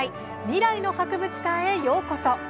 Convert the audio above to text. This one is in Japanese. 「未来の博物館」へようこそ」。